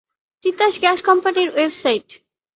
Titas gas কোম্পানীর website